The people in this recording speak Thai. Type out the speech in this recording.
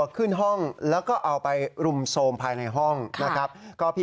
ขึ้นห้องพัก